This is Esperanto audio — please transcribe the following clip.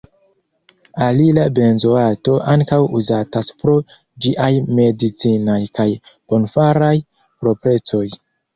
Alila benzoato ankaŭ uzatas pro ĝiaj medicinaj kaj bonfaraj proprecoj.